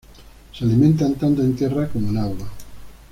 Se alimentan tanto en tierra como en agua.